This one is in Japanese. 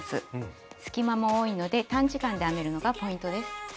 隙間も多いので短時間で編めるのがポイントです。